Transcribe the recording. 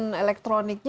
jadi komponen elektroniknya